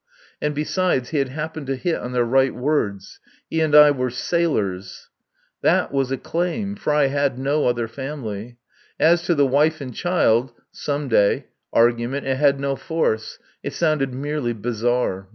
And, besides, he had happened to hit on the right words. He and I were sailors. That was a claim, for I had no other family. As to the wife and child (some day) argument, it had no force. It sounded merely bizarre.